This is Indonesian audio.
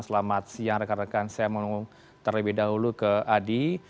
selamat siang rekan rekan saya mau ngomong terlebih dahulu ke adi